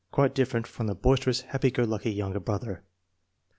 Quite different from the boister ous, happy go lucky younger brother.